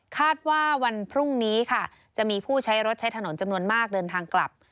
ว่าวันพรุ่งนี้ค่ะจะมีผู้ใช้รถใช้ถนนจำนวนมากเดินทางกลับ